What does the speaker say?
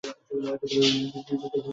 হ্যা, তুমি করছো।